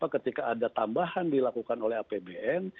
ketika ada tambahan dilakukan oleh apbn